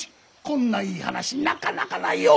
こんないい話なかなかないよ！